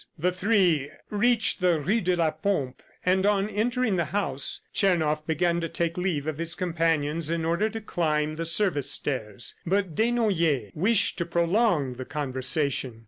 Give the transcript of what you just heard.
The three reached the rue de la Pompe and on entering the house, Tchernoff began to take leave of his companions in order to climb the service stairs; but Desnoyers wished to prolong the conversation.